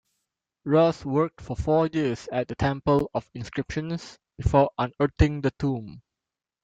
Ruz worked for four years at the Temple of Inscriptions before unearthing the tomb.